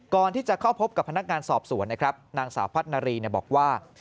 ก่อนที่จะเข้าพบกับพนักงานสอบสวนนะครับนางสาวพัฒนารีบอกว่า